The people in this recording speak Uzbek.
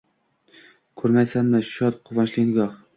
Ko’rmayapsanmi, shod, quvonchli nigoh